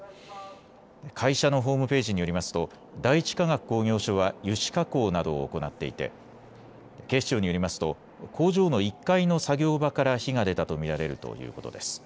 会社のホームページによりますと第一化学工業所は油脂加工などを行っていて警視庁によりますと工場の１階の作業場から火が出たと見られるということです。